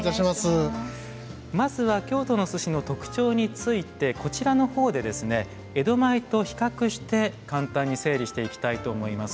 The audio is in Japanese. まずは京都の寿司の特徴についてこちらのほうで江戸前と比較して簡単に整理していきたいと思います。